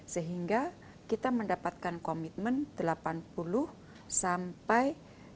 sehingga kita mendapatkan komitmen delapan puluh sampai satu ratus tiga puluh